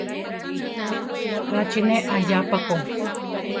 Ka chi ne aʼyá pa ko.